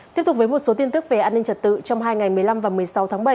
tiếp tục với một số tin tức về an ninh trật tự trong hai ngày một mươi năm và một mươi sáu tháng bảy